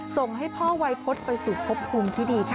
ส่งให้พ่อวัยพฤษไปสู่พบภูมิที่ดีค่ะ